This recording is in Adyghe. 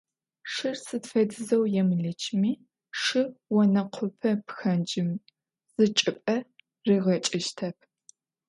Шыр сыд фэдизэу емылычми шы онэкъопэ пхэныджым зы чӏыпӏэ ригъэкӏыщтэп.